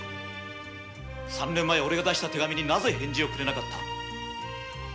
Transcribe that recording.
３年前オレが出した手紙になぜ返事をくれなかった？